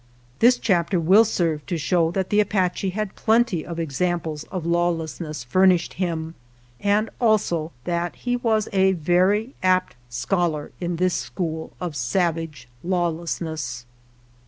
This chapter will serve to show that the Apache had plenty of examples of lawlessness furnished him, and also that he was a very apt scholar in this school of savage lawlessness.